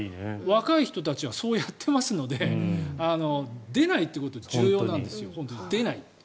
若い人たちはそうやっていますので出ないということが重要なんです。